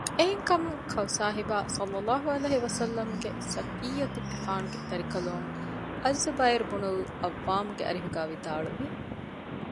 އެހެންކަމުން ކައުސާހިބާ ޞައްލަﷲ ޢަލައިހި ވަސައްލަމަގެ ޞަފިއްޔަތުގެފާނުގެ ދަރިކަލުން އައްޒުބައިރު ބުނުލް ޢައްވާމުގެ އަރިހުގައި ވިދާޅުވި